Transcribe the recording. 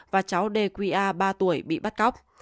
và cháu dqa ba tuổi bị bắt cóc